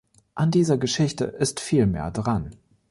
An dieser Geschichte ist viel mehr dran.